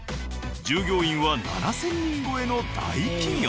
従業員は７０００人超えの大企業。